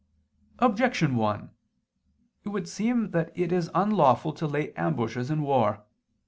Objection 1: It would seem that it is unlawful to lay ambushes in war.